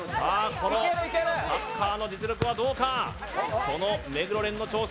このサッカーの実力はどうかその目黒蓮の挑戦